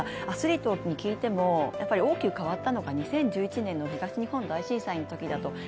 アスリートに聞いても大きく変わったのが２０１１年の東日本大震災のときだと。